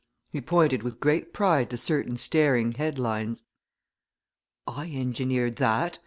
He pointed with great pride to certain staring headlines. "I engineered that!"